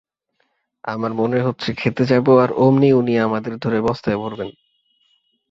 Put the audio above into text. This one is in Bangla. আমার মনে হচ্ছে খেতে যাব, আর ওমনি উনি আমাদের ধরে বস্তায় ভরবেন।